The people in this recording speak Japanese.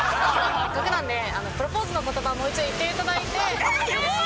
せっかくなんで、プロポーズのことば、もう一度言っていただいて。